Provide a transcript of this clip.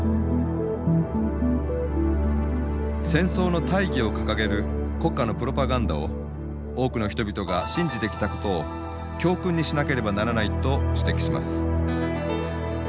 戦争の大義を掲げる国家のプロパガンダを多くの人々が信じてきたことを教訓にしなければならないと指摘します。